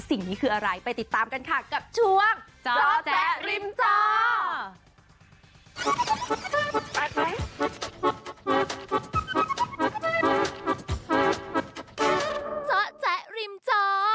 สิ่งนี้คืออะไรไปติดตามกันค่ะกับช่วงจอแจ๊ริมจอ